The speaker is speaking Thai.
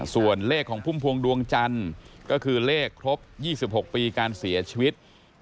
ส่วนเลขของพุ่มพวงดวงจันทร์ก็คือเลขครบ๒๖ปีการเสียชีวิต